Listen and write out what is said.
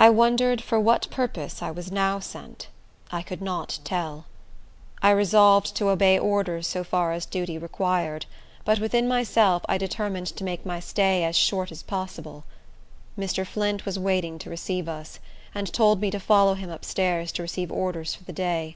I wondered for what purpose I was now sent. I could not tell. I resolved to obey orders so far as duty required; but within myself, I determined to make my stay as short as possible. Mr. Flint was waiting to receive us, and told me to follow him up stairs to receive orders for the day.